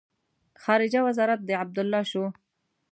خارجه وزارت د عبدالله شو.